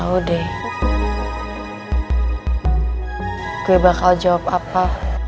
gue untuk gak buru buru jawabnya